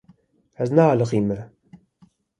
Ez nealiqîme.